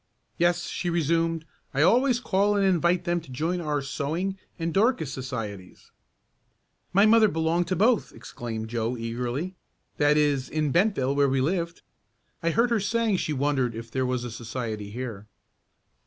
"Yes," she resumed, "I always call and invite them to join our Sewing and Dorcas Societies." "My mother belonged to both!" exclaimed Joe eagerly. "That is in Bentville where we lived. I heard her saying she wondered if there was a society here."